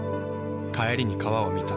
帰りに川を見た。